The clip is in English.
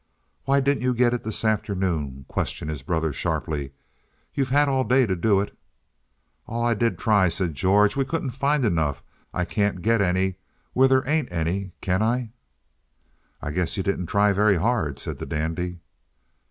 "Why didn't you get it up this afternoon?" questioned his brother sharply; "you've had all day to do it." "Aw, I did try," said George. "We couldn't find enough. I can't get any when there ain't any, can I?" "I guess you didn't try very hard," said the dandy.